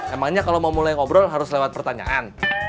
emangnya kalau mau mulai ngobrol harus lewat pertanyaan